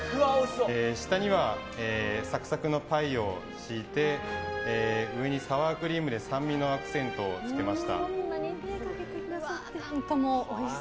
下にはサクサクのパイを敷いて上にサワークリームで酸味のアクセントをつけました。